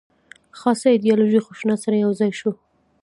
خاصه ایدیالوژي خشونت سره یو ځای شوې.